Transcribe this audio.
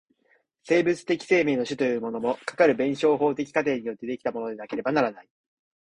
生物的生命の種というものも、かかる弁証法的過程によって出来たものでなければならない。